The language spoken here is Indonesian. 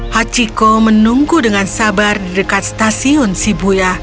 hachiko menunggu dengan sabar di dekat stasiun sibuya